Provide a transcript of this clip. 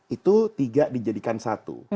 itu tidak dijadikan satu